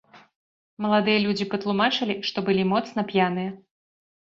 Маладыя людзі патлумачылі, што былі моцна п'яныя.